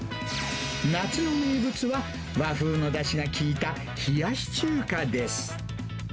夏の名物は、和風のだしが効いた冷やし中華です。